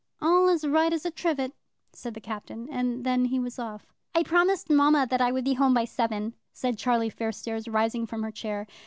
"All as right as a trivet," said the Captain; and then he was off. "I promised mamma that I would be home by seven," said Charlie Fairstairs, rising from her chair.